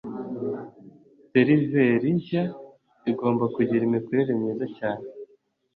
seriveri nshya igomba kugira imikorere myiza cyane